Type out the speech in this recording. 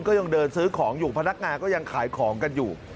ก็ยังเดินซื้อของอยู่พนักงานก็ยังขายของกันอยู่